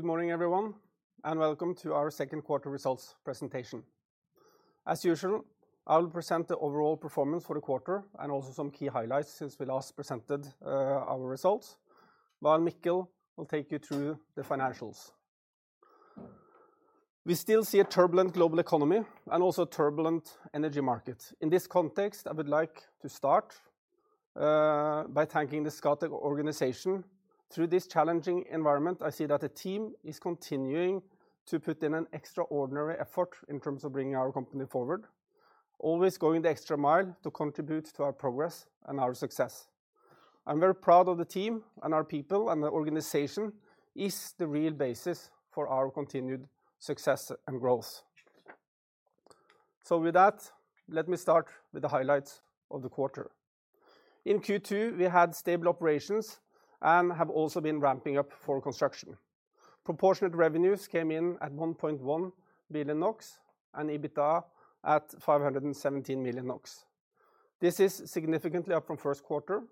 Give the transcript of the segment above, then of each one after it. Good morning everyone, and welcome to our second quarter results presentation. As usual, I'll present the overall performance for the quarter and also some key highlights since we last presented our results. While Mikkel will take you through the financials. We still see a turbulent global economy and also turbulent energy market. In this context, I would like to start by thanking the Statkraft organization. Through this challenging environment, I see that the team is continuing to put in an extraordinary effort in terms of bringing our company forward, always going the extra mile to contribute to our progress and our success. I'm very proud of the team and our people, and the organization is the real basis for our continued success and growth. With that, let me start with the highlights of the quarter. In Q2, we had stable operations and have also been ramping up for construction. Proportionate revenues came in at 1.1 billion NOK and EBITDA at 517 million NOK. This is significantly up from first quarter.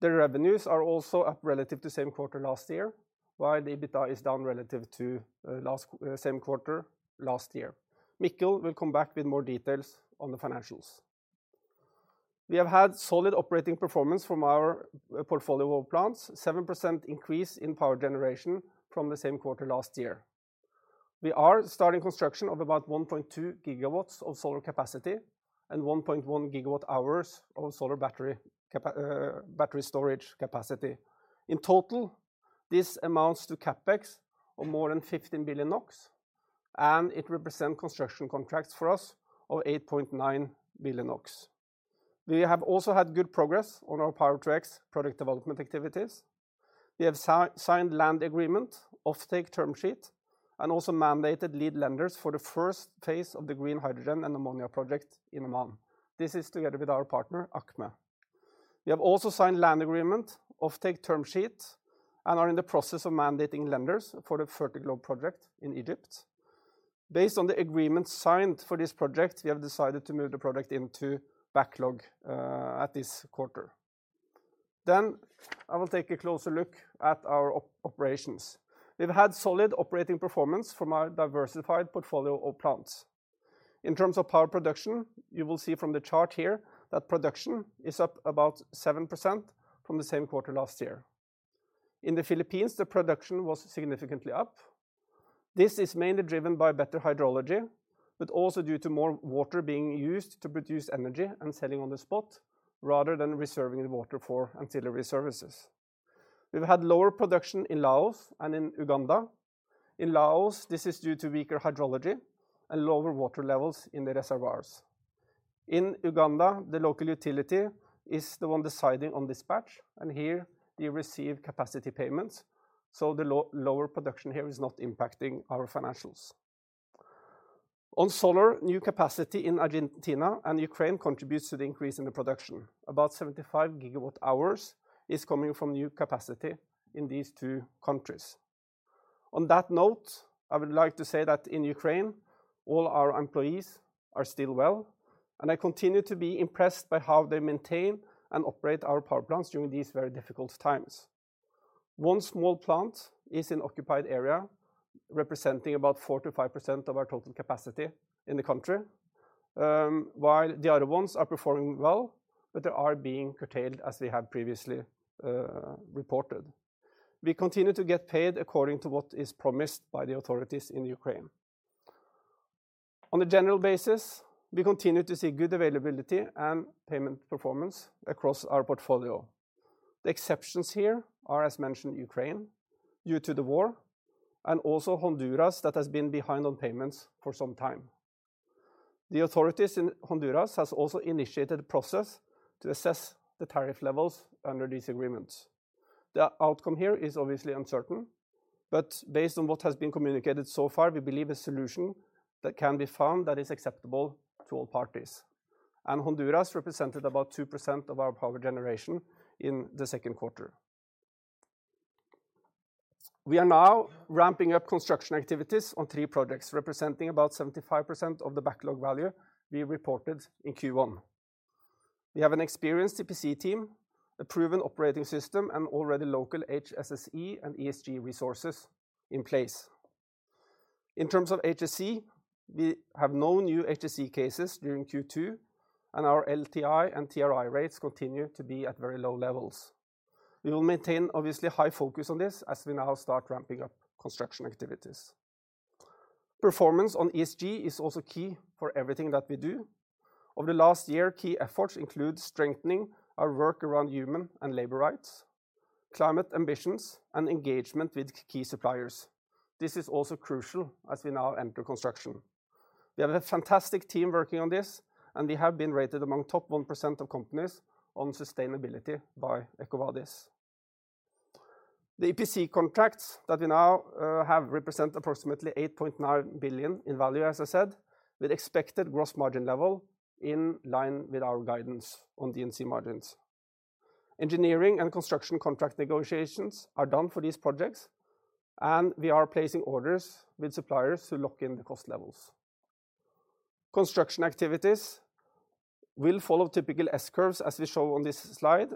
The revenues are also up relative to same quarter last year, while the EBITDA is down relative to last same quarter last year. Mikkel will come back with more details on the financials. We have had solid operating performance from our portfolio of plants, 7% increase in power generation from the same quarter last year. We are starting construction of about 1.2 GW of solar capacity and 1.1 GWh of solar battery storage capacity. In total, this amounts to CapEx of more than 15 billion NOK, and it represent construction contracts for us of 8.9 billion NOK. We have also had good progress on our Power-to-X product development activities. We have signed land agreement, offtake term sheet, and also mandated lead lenders for the first phase of the green hydrogen and ammonia project in Oman. This is together with our partner, ACME. We have also signed land agreement, offtake term sheet, and are in the process of mandating lenders for the Fertiglobe project in Egypt. Based on the agreement signed for this project, we have decided to move the project into backlog at this quarter. I will take a closer look at our operations. We've had solid operating performance from our diversified portfolio of plants. In terms of power production, you will see from the chart here that production is up about 7% from the same quarter last year. In the Philippines, the production was significantly up. This is mainly driven by better hydrology, but also due to more water being used to produce energy and selling on the spot rather than reserving the water for ancillary services. We've had lower production in Laos and in Uganda. In Laos, this is due to weaker hydrology and lower water levels in the reservoirs. In Uganda, the local utility is the one deciding on dispatch, and here we receive capacity payments, so the lower production here is not impacting our financials. On solar, new capacity in Argentina and Ukraine contributes to the increase in the production. About 75 GWh is coming from new capacity in these two countries. On that note, I would like to say that in Ukraine, all our employees are still well, and I continue to be impressed by how they maintain and operate our power plants during these very difficult times. One small plant is in occupied area, representing about 45% of our total capacity in the country. While the other ones are performing well, but they are being curtailed as we have previously reported. We continue to get paid according to what is promised by the authorities in Ukraine. On a general basis, we continue to see good availability and payment performance across our portfolio. The exceptions here are, as mentioned, Ukraine due to the war and also Honduras that has been behind on payments for some time. The authorities in Honduras has also initiated a process to assess the tariff levels under these agreements. The outcome here is obviously uncertain, but based on what has been communicated so far, we believe a solution that can be found that is acceptable to all parties. Honduras represented about 2% of our power generation in the second quarter. We are now ramping up construction activities on three projects, representing about 75% of the backlog value we reported in Q1. We have an experienced EPC team, a proven operating system, and already local HSSE and ESG resources in place. In terms of HSE, we have no new HSE cases during Q2, and our LTI and TRI rates continue to be at very low levels. We will maintain obviously high focus on this as we now start ramping up construction activities. Performance on ESG is also key for everything that we do. Over the last year, key efforts include strengthening our work around human and labor rights, climate ambitions, and engagement with key suppliers. This is also crucial as we now enter construction. We have a fantastic team working on this, and we have been rated among top 1% of companies on sustainability by EcoVadis. The EPC contracts that we now have represent approximately 8.9 billion in value, as I said, with expected gross margin level in line with our guidance on D&C margins. Engineering and construction contract negotiations are done for these projects, and we are placing orders with suppliers to lock in the cost levels. Construction activities will follow typical S-curves, as we show on this slide,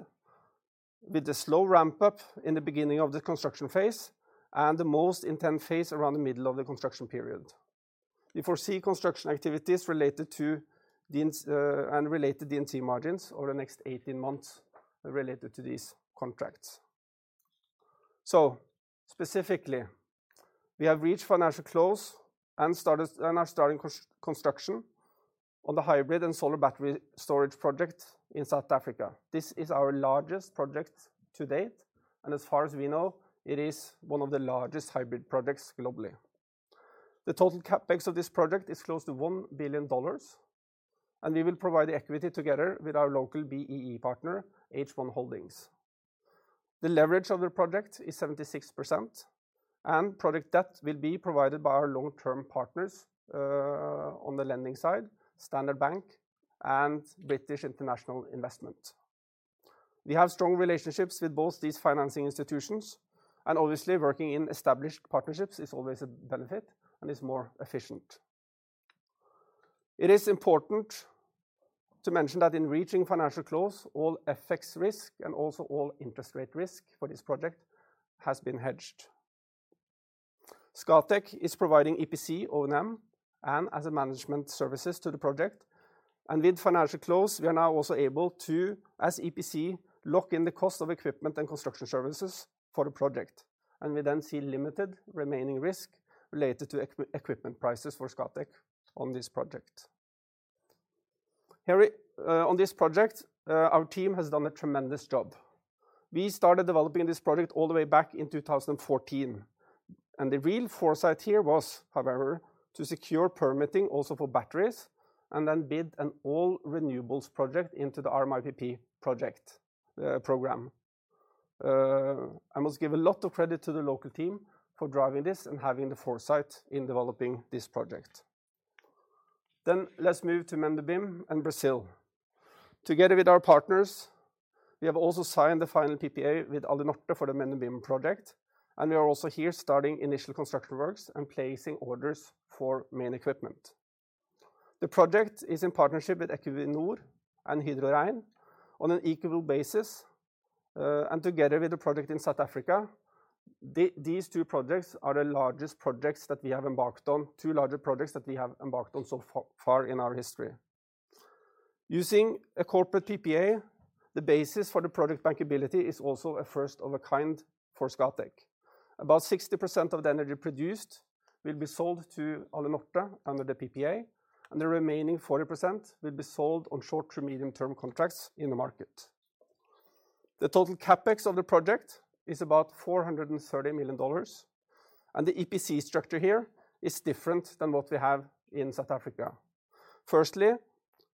with the slow ramp-up in the beginning of the construction phase and the most intense phase around the middle of the construction period. We foresee construction activities and related D&C margins over the next 18 months related to these contracts. Specifically, we have reached financial close and are starting construction on the hybrid and solar battery storage project in South Africa. This is our largest project to date, and as far as we know, it is one of the largest hybrid projects globally. The total CapEx of this project is close to $1 billion, and we will provide the equity together with our local BEE partner, H1 Holdings. The leverage of the project is 76%, and project debt will be provided by our long-term partners, on the lending side, Standard Bank and British International Investment. We have strong relationships with both these financing institutions, and obviously working in established partnerships is always a benefit and is more efficient. It is important to mention that in reaching financial close, all FX risk and also all interest rate risk for this project has been hedged. Scatec is providing EPC, O&M, and asset management services to the project, and with financial close, we are now also able to, as EPC, lock in the cost of equipment and construction services for the project, and we then see limited remaining risk related to equipment prices for Scatec on this project. Here, on this project, our team has done a tremendous job. We started developing this project all the way back in 2014, and the real foresight here was, however, to secure permitting also for batteries, and then bid an all-renewables project into the RMIPPPP program. I must give a lot of credit to the local team for driving this and having the foresight in developing this project. Let's move to Mendubim in Brazil. Together with our partners, we have also signed the final PPA with Alunorte for the Mendubim project, and we are also here starting initial construction works and placing orders for main equipment. The project is in partnership with Equinor and Hydro Rein on an equitable basis, and together with the project in South Africa, these two projects are the largest projects that we have embarked on, two larger projects that we have embarked on so far in our history. Using a corporate PPA, the basis for the project bankability is also a first of a kind for Scatec. About 60% of the energy produced will be sold to Alunorte under the PPA, and the remaining 40% will be sold on short to medium-term contracts in the market. The total CapEx of the project is about $430 million, and the EPC structure here is different than what we have in South Africa. Firstly,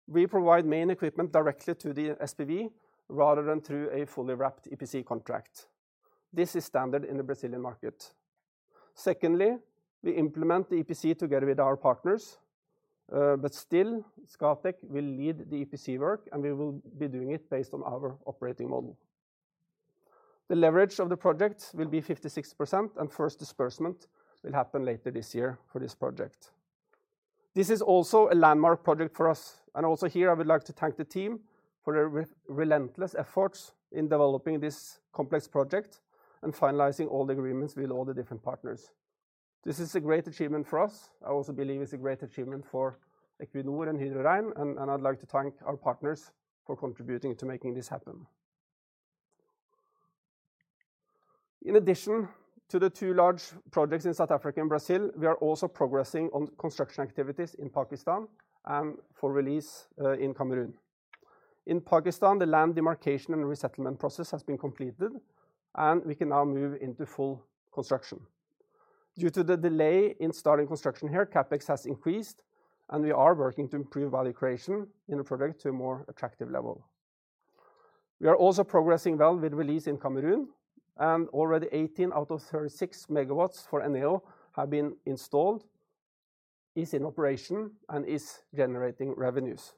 we provide main equipment directly to the SPV rather than through a fully wrapped EPC contract. This is standard in the Brazilian market. Secondly, we implement the EPC together with our partners, but still Scatec will lead the EPC work, and we will be doing it based on our operating model. The leverage of the project will be 56%, and first disbursement will happen later this year for this project. This is also a landmark project for us, and also here I would like to thank the team for their relentless efforts in developing this complex project and finalizing all the agreements with all the different partners. This is a great achievement for us. I also believe it's a great achievement for Equinor and Hydro Rein, and I'd like to thank our partners for contributing to making this happen. In addition to the two large projects in South Africa and Brazil, we are also progressing on construction activities in Pakistan and for Release in Cameroon. In Pakistan, the land demarcation and resettlement process has been completed, and we can now move into full construction. Due to the delay in starting construction here, CapEx has increased, and we are working to improve value creation in the project to a more attractive level. We are also progressing well with Release in Cameroon, and already 18 out of 36 MW for Eneo have been installed, is in operation, and is generating revenues.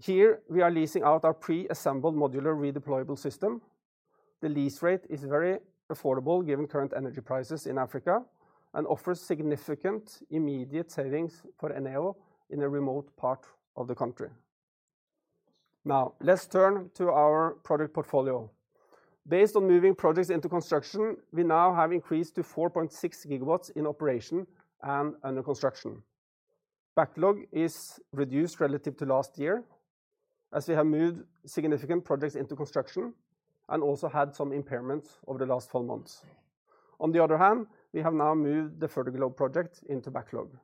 Here we are leasing out our pre-assembled modular redeployable system. The lease rate is very affordable given current energy prices in Africa, and offers significant immediate savings for Eneo in a remote part of the country. Now let's turn to our project portfolio. Based on moving projects into construction, we now have increased to 4.6 GW in operation and under construction. Backlog is reduced relative to last year, as we have moved significant projects into construction and also had some impairments over the last 12 months. On the other hand, we have now moved the Fertiglobe project into backlog.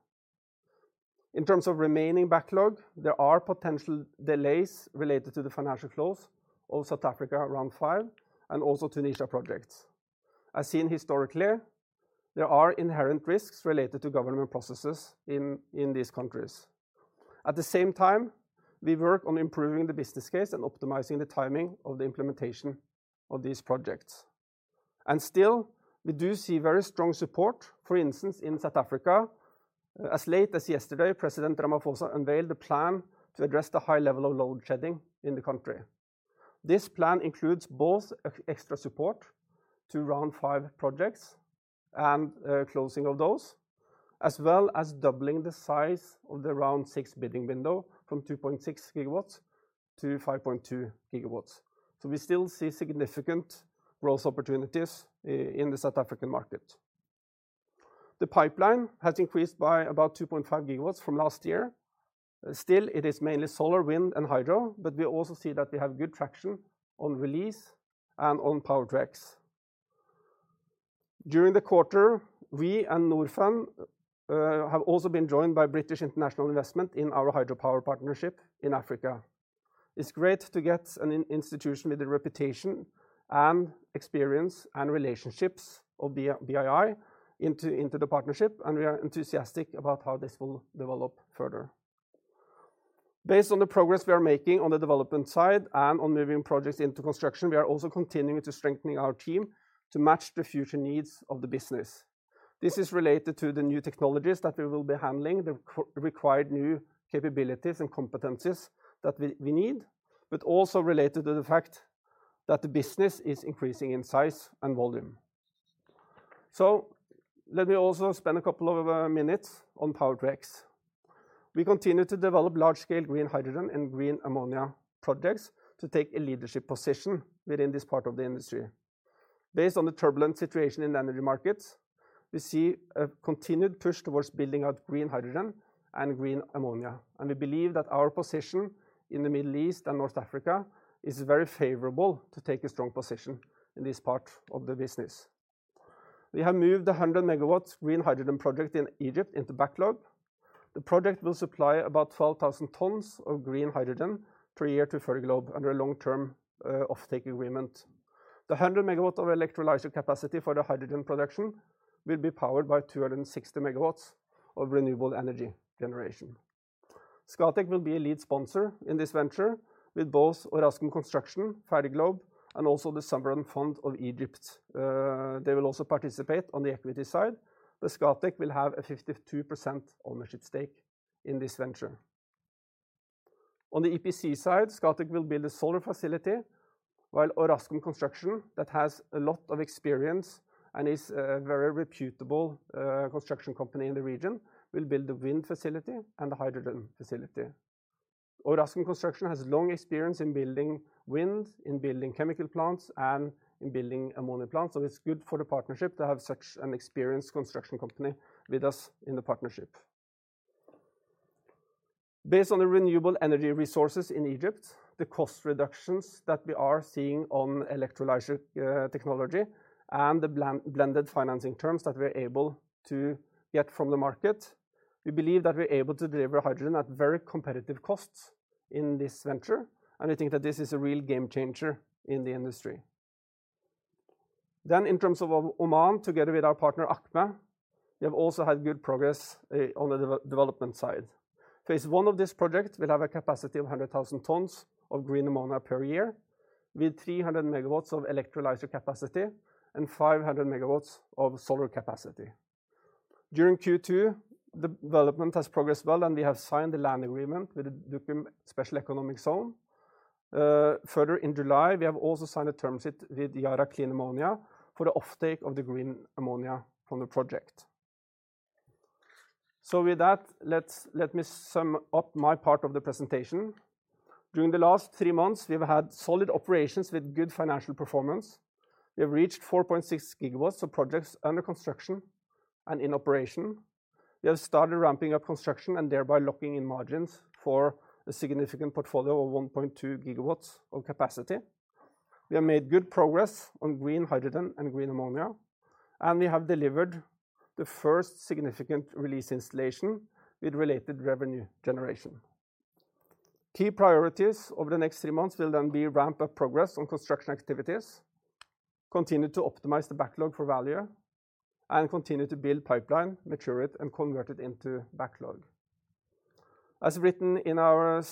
In terms of remaining backlog, there are potential delays related to the financial close of South Africa round 5 and also Tunisia projects. As seen historically, there are inherent risks related to government processes in these countries. At the same time, we work on improving the business case and optimizing the timing of the implementation of these projects. Still, we do see very strong support, for instance, in South Africa. As late as yesterday, President Ramaphosa unveiled a plan to address the high level of load shedding in the country. This plan includes both extra support to round five projects and closing of those, as well as doubling the size of the round six bidding window from 2.6 GW to 5.2 GW. We still see significant growth opportunities in the South African market. The pipeline has increased by about 2.5 GW from last year. Still, it is mainly solar, wind and hydro, but we also see that we have good traction on Release and on Power-to-X. During the quarter, we and Norfund have also been joined by British International Investment in our hydropower partnership in Africa. It's great to get an institution with the reputation and experience and relationships of British International Investment into the partnership, and we are enthusiastic about how this will develop further. Based on the progress we are making on the development side and on moving projects into construction, we are also continuing to strengthening our team to match the future needs of the business. This is related to the new technologies that we will be handling, the required new capabilities and competencies that we need, but also related to the fact that the business is increasing in size and volume. Let me also spend a couple of minutes on Power-to-X. We continue to develop large-scale green hydrogen and green ammonia projects to take a leadership position within this part of the industry. Based on the turbulent situation in energy markets, we see a continued push towards building out green hydrogen and green ammonia, and we believe that our position in the Middle East and North Africa is very favorable to take a strong position in this part of the business. We have moved the 100 MW green hydrogen project in Egypt into backlog. The project will supply about 12,000 tons of green hydrogen per year to Fertiglobe under a long-term offtake agreement. The 100 MW of electrolyzer capacity for the hydrogen production will be powered by 260 MW of renewable energy generation. Scatec will be a lead sponsor in this venture with both Orascom Construction, Fertiglobe and also The Sovereign Fund of Egypt. They will also participate on the equity side, but Scatec will have a 52% ownership stake in this venture. On the EPC side, Scatec will build a solar facility while Orascom Construction, that has a lot of experience and is a very reputable construction company in the region, will build the wind facility and the hydrogen facility. Orascom Construction has long experience in building wind, in building chemical plants and in building ammonia plants, so it's good for the partnership to have such an experienced construction company with us in the partnership. Based on the renewable energy resources in Egypt, the cost reductions that we are seeing on electrolyzer technology and the blended financing terms that we're able to get from the market, we believe that we're able to deliver hydrogen at very competitive costs in this venture, and we think that this is a real game changer in the industry. In terms of Oman, together with our partner, ACME, we have also had good progress on the development side. Phase 1 of this project will have a capacity of 100,000 tons of green ammonia per year with 300 MW of electrolyzer capacity and 500 MW of solar capacity. During Q2, the development has progressed well, and we have signed the land agreement with the Duqm Special Economic Zone. Further in July, we have also signed terms with Yara Clean Ammonia for the offtake of the green ammonia from the project. With that, let me sum up my part of the presentation. During the last three months, we have had solid operations with good financial performance. We have reached 4.6 GW of projects under construction and in operation. We have started ramping up construction and thereby locking in margins for a significant portfolio of 1.2 GW of capacity. We have made good progress on green hydrogen and green ammonia, and we have delivered the first significant Release installation with related revenue generation. Key priorities over the next three months will then be ramp up progress on construction activities, continue to optimize the backlog for value and continue to build pipeline, mature it and convert it into backlog. As written in our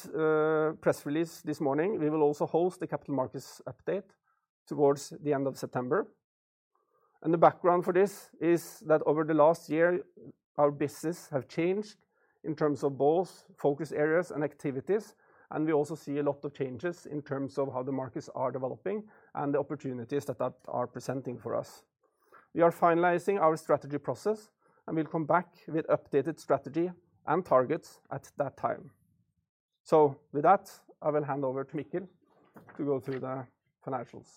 press release this morning, we will also host a capital markets update towards the end of September. The background for this is that over the last year, our business have changed in terms of both focus areas and activities, and we also see a lot of changes in terms of how the markets are developing and the opportunities that are presenting for us. We are finalizing our strategy process, and we'll come back with updated strategy and targets at that time. With that, I will hand over to Mikkel to go through the financials.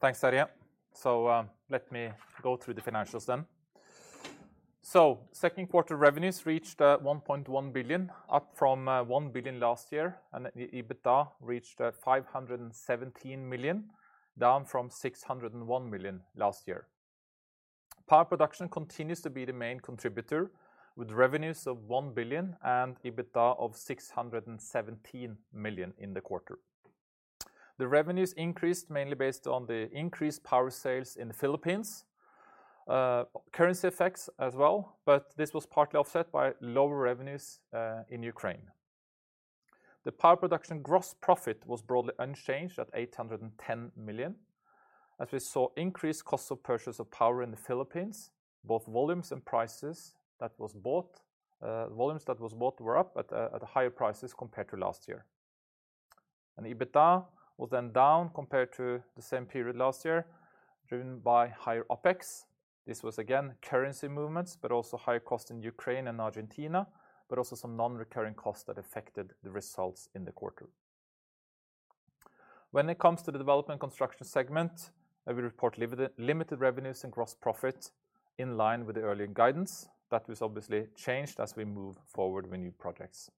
Thanks, Terje. Let me go through the financials then. Second quarter revenues reached 1.1 billion, up from 1 billion last year, and the EBITDA reached 517 million, down from 601 million last year. Power production continues to be the main contributor with revenues of 1 billion and EBITDA of 617 million in the quarter. The revenues increased mainly based on the increased power sales in the Philippines. Currency effects as well, but this was partly offset by lower revenues in Ukraine. The power production gross profit was broadly unchanged at 810 million. As we saw increased costs of purchase of power in the Philippines, both volumes and prices that was bought were up at higher prices compared to last year. EBITDA was then down compared to the same period last year, driven by higher OpEx. This was again currency movements, but also higher costs in Ukraine and Argentina, but also some non-recurring costs that affected the results in the quarter. When it comes to the development construction segment, we report limited revenues and gross profit in line with the earlier guidance. That was obviously changed as we move forward with new projects.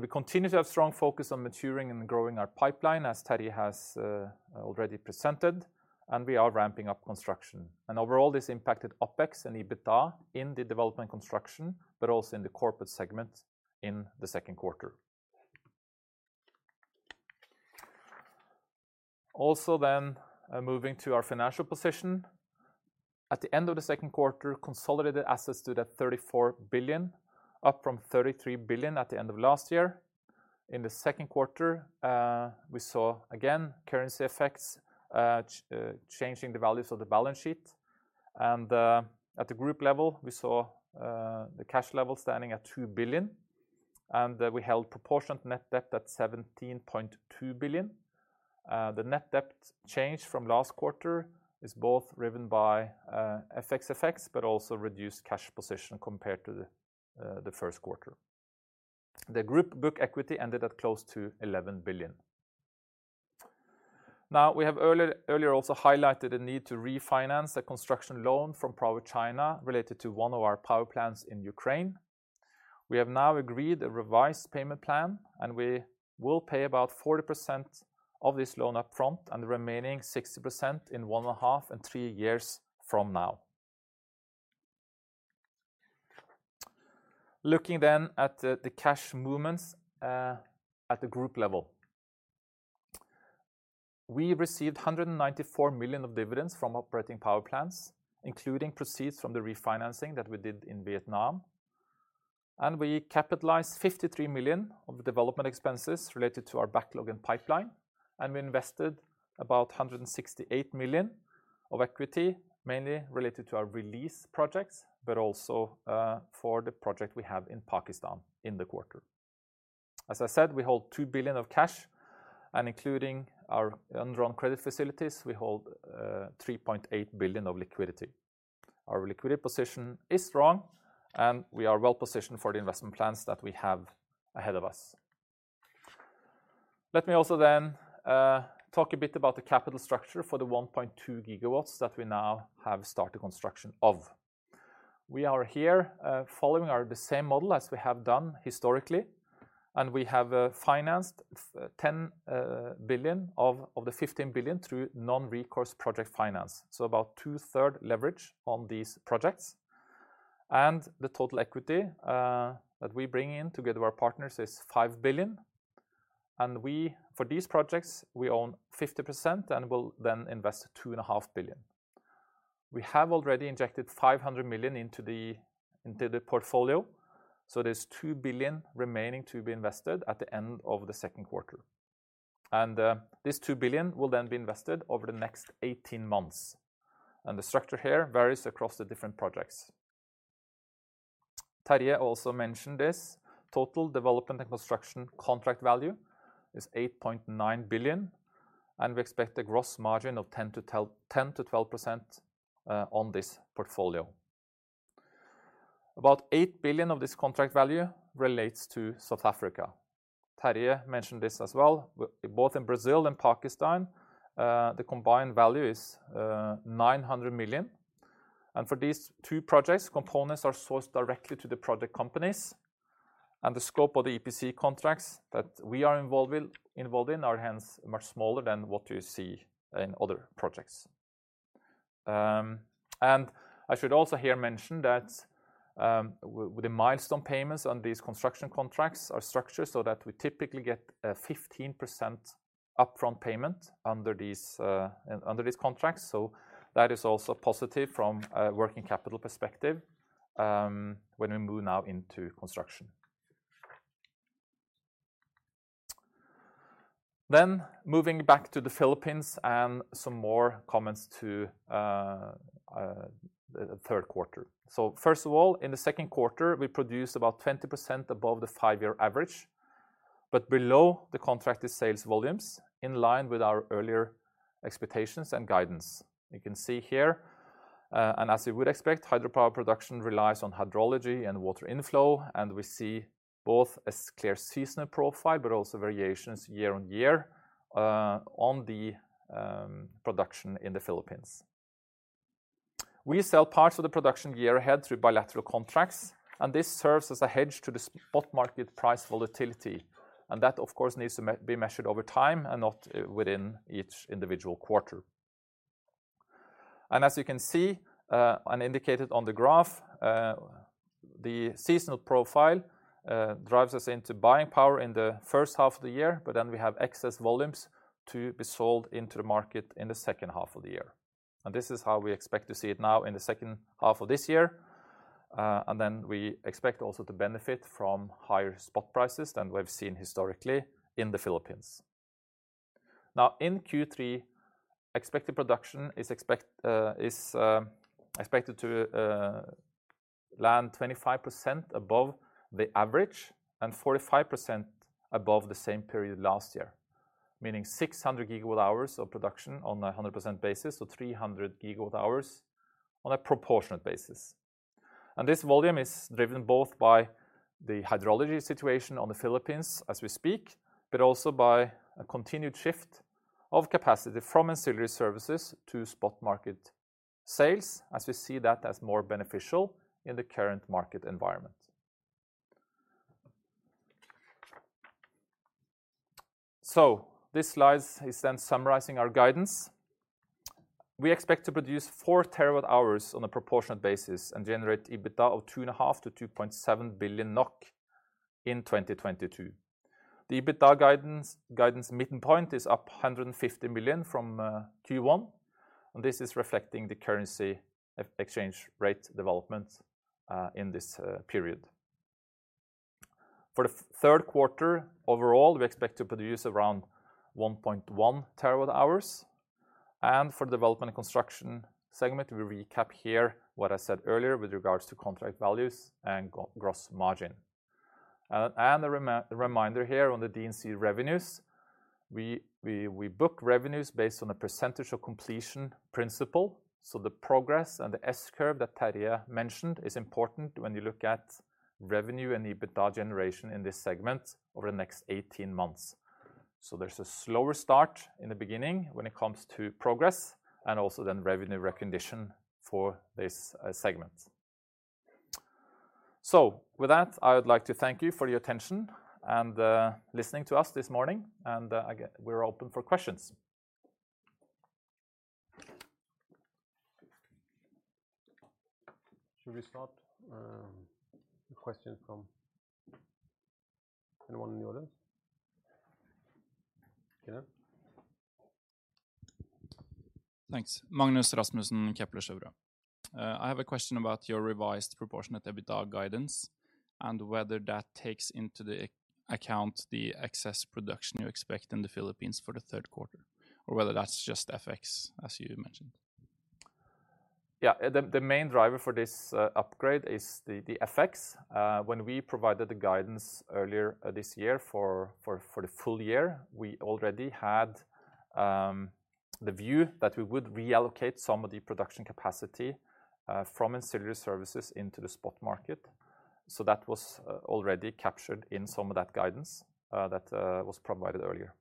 We continue to have strong focus on maturing and growing our pipeline, as Terje has already presented, and we are ramping up construction. Overall, this impacted OpEx and EBITDA in the development construction, but also in the corporate segment in the second quarter. Also, moving to our financial position. At the end of the second quarter, consolidated assets stood at 34 billion, up from 33 billion at the end of last year. In the second quarter, we saw again currency effects, changing the values of the balance sheet. At the group level, we saw the cash level standing at 2 billion, and we held proportionate net debt at 17.2 billion. The net debt change from last quarter is both driven by FX effects, but also reduced cash position compared to the first quarter. The group book equity ended at close to 11 billion. Now, we have earlier also highlighted the need to refinance the construction loan from PowerChina related to one of our power plants in Ukraine. We have now agreed a revised payment plan, and we will pay about 40% of this loan upfront and the remaining 60% in one and a half and three years from now. Looking at the cash movements at the group level. We received 194 million of dividends from operating power plants, including proceeds from the refinancing that we did in Vietnam. We capitalized 53 million of development expenses related to our backlog and pipeline. We invested about 168 million of equity, mainly related to our Release projects, but also for the project we have in Pakistan in the quarter. As I said, we hold 2 billion of cash and, including our undrawn credit facilities, we hold 3.8 billion of liquidity. Our liquidity position is strong, and we are well positioned for the investment plans that we have ahead of us. Let me also talk a bit about the capital structure for the 1.2 GW that we now have started construction of. We are here following the same model as we have done historically. We have financed 10 billion of the 15 billion through non-recourse project finance. About two-thirds leverage on these projects. The total equity that we bring in together with our partners is 5 billion. For these projects, we own 50% and will then invest 2.5 billion. We have already injected 500 million into the portfolio, so there's 2 billion remaining to be invested at the end of the second quarter. This 2 billion will then be invested over the next 18 months. The structure here varies across the different projects. Terje also mentioned this, total development and construction contract value is 8.9 billion, and we expect a gross margin of 10%-12% on this portfolio. About 8 billion of this contract value relates to South Africa. Terje mentioned this as well. Both in Brazil and Pakistan, the combined value is 900 million. For these two projects, components are sourced directly to the project companies. The scope of the EPC contracts that we are involved in are hence much smaller than what you see in other projects. I should also here mention that with the milestone payments on these construction contracts are structured so that we typically get a 15% upfront payment under these contracts. That is also positive from a working capital perspective, when we move now into construction. Moving back to the Philippines and some more comments to the third quarter. First of all, in the second quarter, we produced about 20% above the five-year average, but below the contracted sales volumes in line with our earlier expectations and guidance. You can see here, and as you would expect, hydropower production relies on hydrology and water inflow, and we see both a clear seasonal profile, but also variations year-on-year, on the production in the Philippines. We sell parts of the production year ahead through bilateral contracts, and this serves as a hedge to the spot market price volatility. That, of course, needs to be measured over time and not within each individual quarter. As you can see, and indicated on the graph, the seasonal profile drives us into buying power in the first half of the year, but then we have excess volumes to be sold into the market in the second half of the year. This is how we expect to see it now in the second half of this year. We expect also to benefit from higher spot prices than we've seen historically in the Philippines. Now, in Q3, expected production is expected to land 25% above the average and 45% above the same period last year, meaning 600 GWh of production on a 100% basis, so 300 GWh on a proportionate basis. This volume is driven both by the hydrology situation on the Philippines as we speak, but also by a continued shift of capacity from ancillary services to spot market sales, as we see that as more beneficial in the current market environment. This slide is then summarizing our guidance. We expect to produce 4 TWh on a proportionate basis and generate EBITDA of 2.5 billion-2.7 billion NOK in 2022. The EBITDA guidance midpoint is up 150 million from Q1, and this is reflecting the currency exchange rate development in this period. For the third quarter overall, we expect to produce around 1.1 TWh. For development construction segment, we recap here what I said earlier with regards to contract values and gross margin. A reminder here on the D&C revenues, we book revenues based on a percentage-of-completion principle. The progress and the S-curve that Terje mentioned is important when you look at revenue and EBITDA generation in this segment over the next 18 months. There's a slower start in the beginning when it comes to progress and also then revenue recognition for this segment. With that, I would like to thank you for your attention and listening to us this morning, and again, we're open for questions. Should we start questions from anyone in the audience? Okay. Thanks. Magnus Rasmussen, Kepler Cheuvreux. I have a question about your revised proportionate EBITDA guidance and whether that takes into account the excess production you expect in the Philippines for the third quarter, or whether that's just FX as you mentioned. Yeah. The main driver for this upgrade is the FX. When we provided the guidance earlier this year for the full year, we already had the view that we would reallocate some of the production capacity from ancillary services into the spot market. That was already captured in some of that guidance that was provided earlier.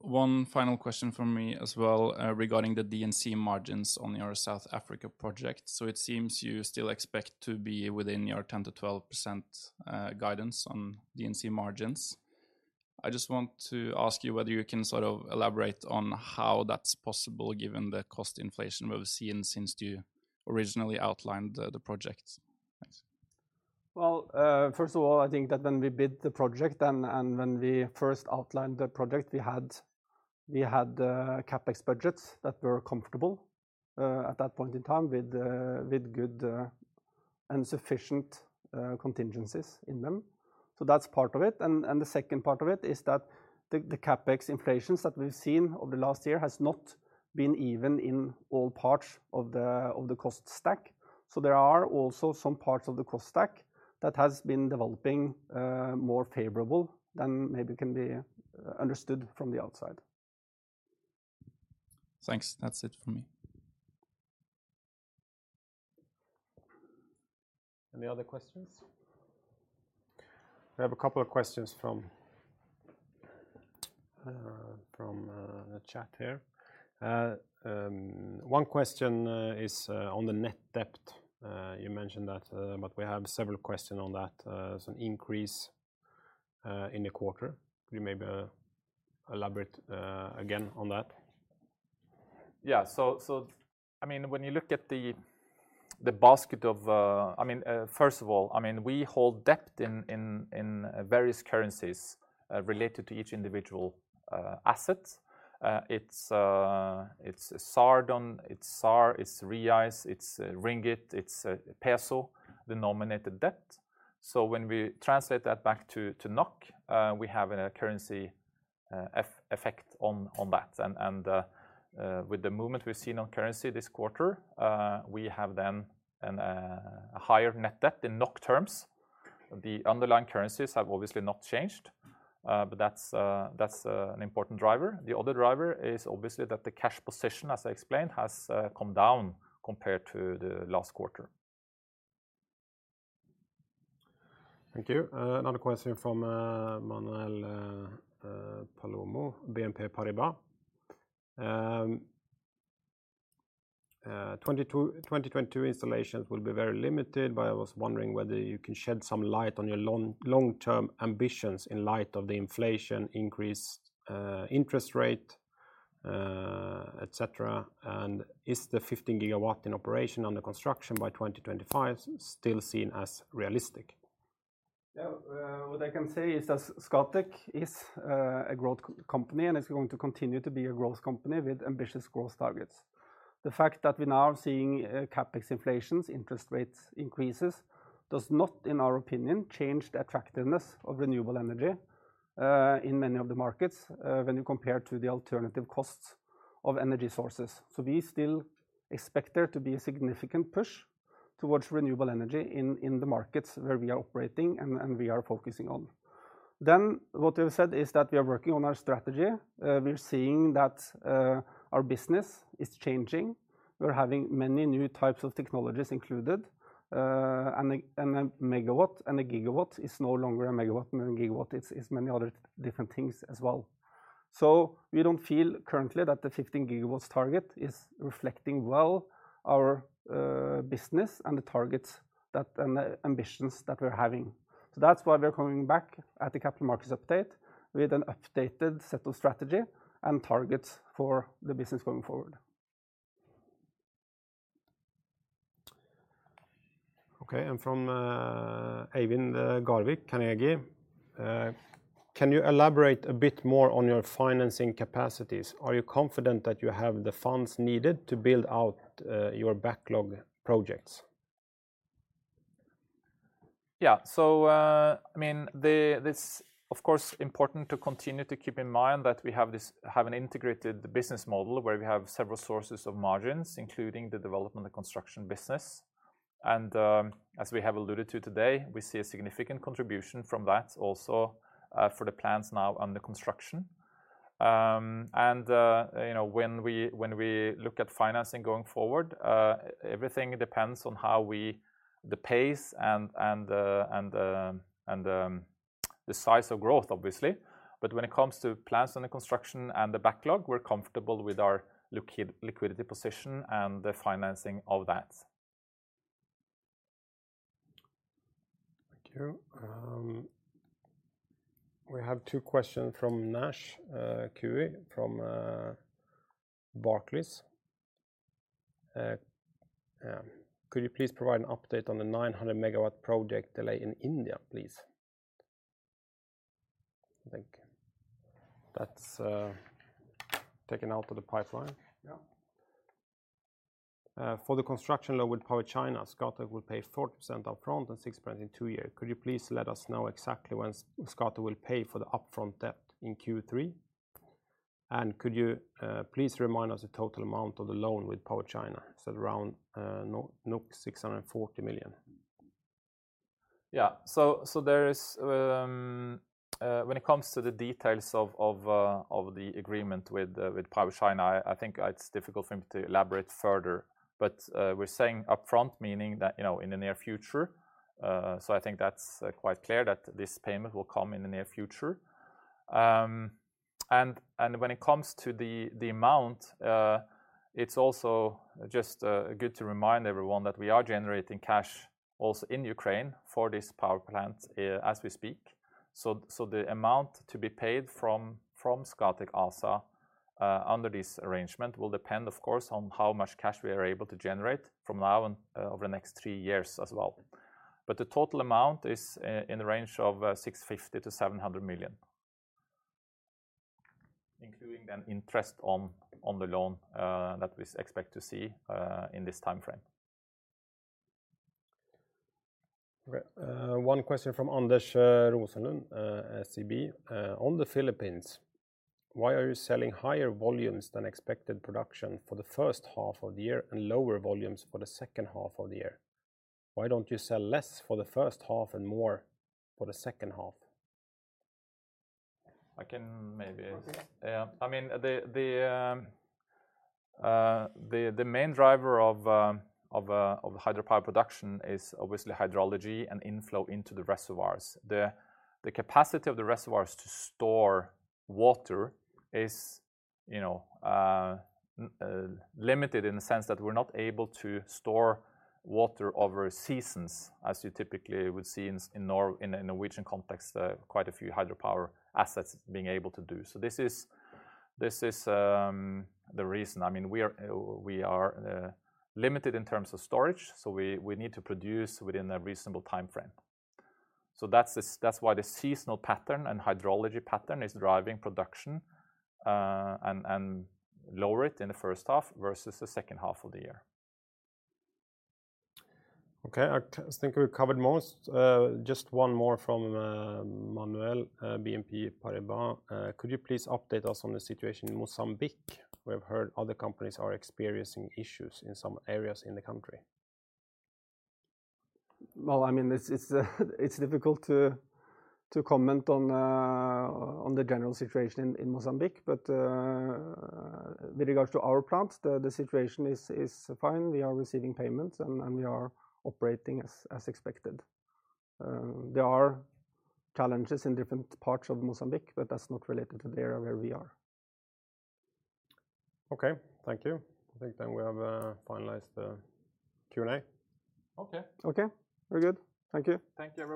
One final question from me as well, regarding the D&C margins on your South Africa project. It seems you still expect to be within your 10%-12% guidance on D&C margins. I just want to ask you whether you can sort of elaborate on how that's possible given the cost inflation we've seen since you originally outlined the project. Thanks. Well, first of all, I think that when we bid the project and when we first outlined the project, we had CapEx budgets that were comfortable at that point in time with good and sufficient contingencies in them. That's part of it. The second part of it is that the CapEx inflations that we've seen over the last year has not been even in all parts of the cost stack. There are also some parts of the cost stack that has been developing more favorable than maybe can be understood from the outside. Thanks. That's it from me. Any other questions? We have a couple of questions from the chat here. One question is on the net debt. You mentioned that, but we have several questions on that. An increase in the quarter. Could you maybe elaborate again on that? I mean, first of all, I mean, we hold debt in various currencies related to each individual asset. It's ZAR-denominated, it's ZAR, it's reais, it's ringgit, it's peso denominated debt. When we translate that back to NOK, we have a currency effect on that. With the movement we've seen on currency this quarter, we have then a higher net debt in NOK terms. The underlying currencies have obviously not changed, but that's an important driver. The other driver is obviously that the cash position, as I explained, has come down compared to the last quarter. Thank you. Another question from Manuel Palomo, BNP Paribas. 2022 installations will be very limited, but I was wondering whether you can shed some light on your long-term ambitions in light of the inflation increase, interest rate, et cetera. Is the 15 GW in operation under construction by 2025 still seen as realistic? Yeah, what I can say is that Scatec is a growth company, and it's going to continue to be a growth company with ambitious growth targets. The fact that we now are seeing CapEx inflations, interest rates increases, does not, in our opinion, change the attractiveness of renewable energy in many of the markets when you compare to the alternative costs of energy sources. We still expect there to be a significant push towards renewable energy in the markets where we are operating and we are focusing on. What we've said is that we are working on our strategy. We're seeing that our business is changing. We're having many new types of technologies included. And a megawatt and a gigawatt is no longer a megawatt and a gigawatt. It's many other different things as well. We don't feel currently that the 15 GW target is reflecting well our business and the targets and the ambitions that we're having. That's why we're coming back at the capital markets update with an updated set of strategy and targets for the business going forward. Okay. From Eivind Garvik, Carnegie. Can you elaborate a bit more on your financing capacities? Are you confident that you have the funds needed to build out your backlog projects? It's of course important to continue to keep in mind that we have an integrated business model where we have several sources of margins, including the development and construction business. As we have alluded to today, we see a significant contribution from that also for the plants now under construction. You know, when we look at financing going forward, everything depends on the pace and the size of growth, obviously. When it comes to plants under construction and the backlog, we're comfortable with our liquidity position and the financing of that. Thank you. We have two questions from Naisheng Cui from Barclays. Could you please provide an update on the 900 MW project delay in India, please? I think that's taken out of the pipeline. Yeah. For the construction loan with PowerChina, Scatec will pay 40% up front and 6% in two years. Could you please let us know exactly when Scatec will pay for the upfront debt, in Q3? Could you please remind us the total amount of the loan with PowerChina? It's around 640 million. Yeah. When it comes to the details of the agreement with PowerChina, I think it's difficult for me to elaborate further. We're saying upfront, meaning that, you know, in the near future. I think that's quite clear that this payment will come in the near future. When it comes to the amount, it's also just good to remind everyone that we are generating cash also in Ukraine for this power plant as we speak. The amount to be paid from Scatec ASA under this arrangement will depend, of course, on how much cash we are able to generate from now and over the next three years as well. The total amount is in the range of 650 million-700 million, including interest on the loan that we expect to see in this timeframe. One question from Anders Rosenlund, SEB. On the Philippines, why are you selling higher volumes than expected production for the first half of the year and lower volumes for the second half of the year? Why don't you sell less for the first half and more for the second half? I can maybe- I'll take that. Yeah. I mean, the main driver of hydropower production is obviously hydrology and inflow into the reservoirs. The capacity of the reservoirs to store water is, you know, limited in the sense that we're not able to store water over seasons as you typically would see in a Norwegian context, quite a few hydropower assets being able to do. This is the reason. I mean, we are limited in terms of storage, so we need to produce within a reasonable timeframe. That's why the seasonal pattern and hydrology pattern is driving production, and lower it in the first half versus the second half of the year. Okay. I think we've covered most. Just one more from Manuel Palomo, BNP Paribas. Could you please update us on the situation in Mozambique? We have heard other companies are experiencing issues in some areas in the country. Well, I mean, it's difficult to comment on the general situation in Mozambique. With regards to our plant, the situation is fine. We are receiving payments, and we are operating as expected. There are challenges in different parts of Mozambique, but that's not related to the area where we are. Okay. Thank you. I think we have finalized the Q&A. Okay. Okay. We're good. Thank you. Thank you.